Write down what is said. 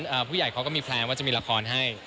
เพราะฉะนั้นผู้ใหญ่เขาก็มีแพลนว่าจะมีละครให้